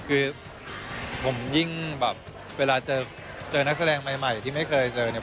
คือผมยิ่งแบบเวลาเจอนักแสดงใหม่ที่ไม่เคยเจอเนี่ย